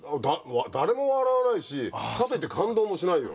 誰も笑わないしかといって感動もしないよ。